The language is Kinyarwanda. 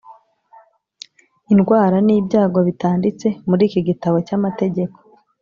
indwara n’ibyago bitanditse muri iki gitabo cy’amategeko,